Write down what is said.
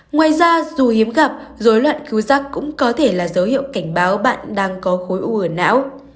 ngoài ra dù hiếm gặp dối loạn khứ giác cũng có thể là dấu hiệu cảnh báo bạn đang có khối ưu ở não